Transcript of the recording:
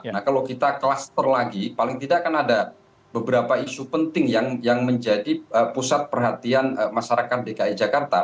nah kalau kita klaster lagi paling tidak akan ada beberapa isu penting yang menjadi pusat perhatian masyarakat dki jakarta